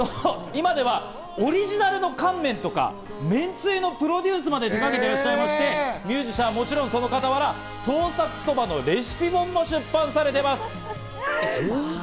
今ではオリジナルの乾麺とかめんつゆのプロデュースまで手がけていらっしゃいまして、ミュージシャンの傍ら、創作そばのレシピ本も出版されているんです。